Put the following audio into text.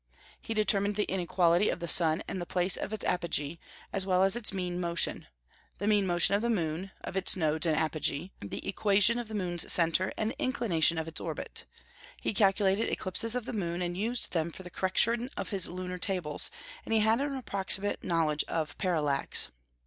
He determined the inequality of the sun and the place of its apogee, as well as its mean motion; the mean motion of the moon, of its nodes and apogee; the equation of the moon's centre, and the inclination of its orbit. He calculated eclipses of the moon, and used them for the correction of his lunar tables, and he had an approximate knowledge of parallax."